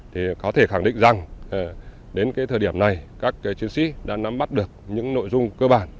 thì có thể khẳng định rằng đến thời điểm này các chiến sĩ đã nắm bắt được những nội dung cơ bản